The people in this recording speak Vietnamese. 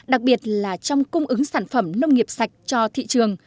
đặc biệt là trong cung ứng sản phẩm nông nghiệp sạch cho thị trường